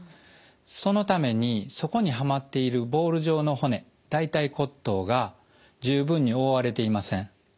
そのためにそこにはまっているボール状の骨大腿骨頭が十分に覆われていません。